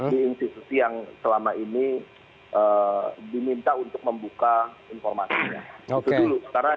di institusi yang selama ini diminta untuk membuka informasinya